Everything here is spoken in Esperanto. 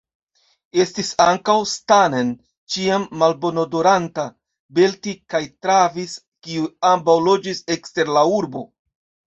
Estis ankaŭ Stanen, ĉiam malbonodoranta; Belti kaj Travis, kiuj ambaŭ loĝis ekster la urbo.